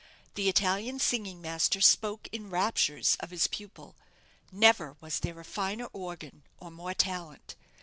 The Italian singing master spoke in raptures of his pupil never was there a finer organ or more talent.